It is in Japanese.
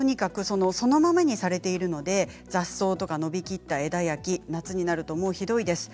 そのままにされているので雑草や伸び切った枝や木夏になるとひどいです。